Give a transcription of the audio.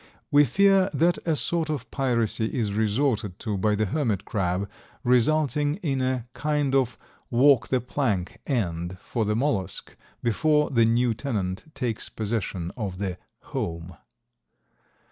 We fear that a sort of piracy is resorted to by the hermit crab, resulting in a kind of "walk the plank" end for the mollusk, before the new tenant takes possession of the "home."